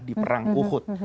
di perang quhud